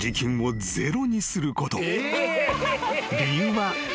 ［理由は］